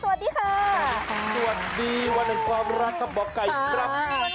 สวัสดีค่ะสวัสดีวันแห่งความรักครับหมอไก่ครับ